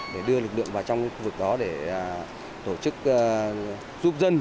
để đưa lực lượng vào trong khu vực đó để tổ chức giúp dân